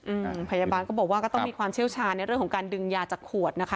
อืมพยาบาลก็บอกว่าก็ต้องมีความเชี่ยวชาญในเรื่องของการดึงยาจากขวดนะคะ